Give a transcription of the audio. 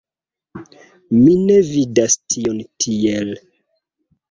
Mi ne vidas tion tiel.